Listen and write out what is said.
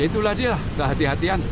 itulah dia kehatian kehatian